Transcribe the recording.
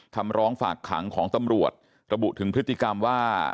คำร้องฝากขังของตำรวจระบุถึงพฤติกรรมว่า